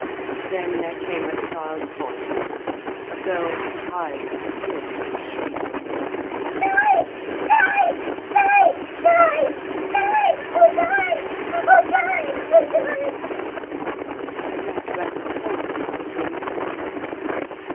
Then there came a child's voice, a girl's high, piercing shriek: "Di—Di—Di—Di—Oh Di—Oh Di—Oh Di!" The blood ran cold in Gudrun's veins.